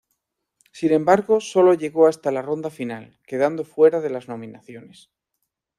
Sin embargo sólo llegó hasta la ronda final, quedando fuera de las nominaciones.